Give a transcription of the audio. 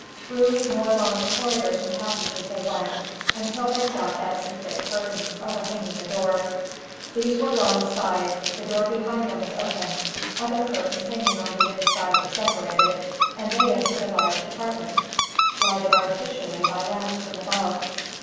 Through more long corridors and passages they went, until they stopped at some thick curtains, overhanging a door. These were drawn aside, the door behind them was opened, other curtains hanging on the inside were separated, and they entered a large apartment, lighted artificially by lamps from above.